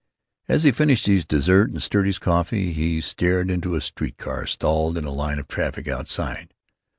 As he finished his dessert and stirred his coffee he stared into a street car stalled in a line of traffic outside.